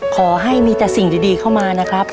ขอให้มีแต่สิ่งดีเข้ามานะครับ